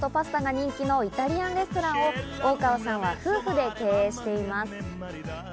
地元に愛されて４５年、ピザとパスタが人気のイタリアンレストランを大川さんは夫婦で経営しています。